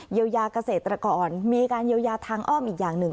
เยียวยากเศษละก่อนมีการเยียวยาทางอ้อมอีกอย่างหนึ่ง